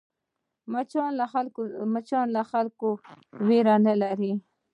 مچان له خلکو وېره نه لري